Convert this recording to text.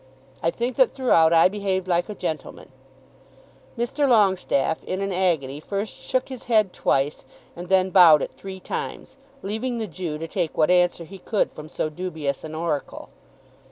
I think that throughout I behaved like a gentleman." Mr. Longestaffe, in an agony, first shook his head twice, and then bowed it three times, leaving the Jew to take what answer he could from so dubious an oracle.